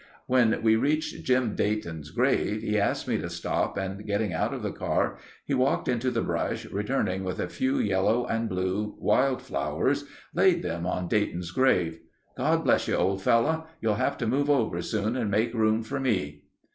When we reached Jim Dayton's grave, he asked me to stop and getting out of the car, he walked into the brush, returning with a few yellow and blue wild flowers, laid them on Dayton's grave. "God bless you, old fellow. You'll have to move over soon and make room for me."